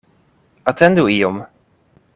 Atendu iom!